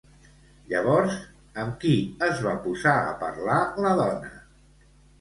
Llavors, amb qui es va posar a parlar la dona?